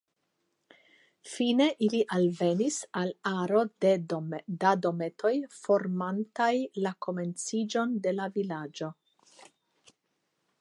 Fine ili alvenis al aro da dometoj, formantaj la komenciĝon de la vilaĝo.